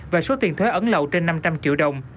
về số tiền thuế ấn lậu trên năm trăm linh triệu đồng